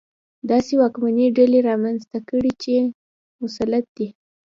داسې واکمنې ډلې رامنځته کړي چې مسلط دي.